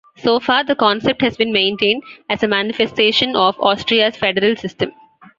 So far, the concept has been maintained as a manifestation of Austria's federal system.